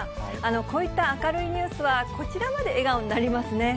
こういった明るいニュースは、こちらまで笑顔になりますね。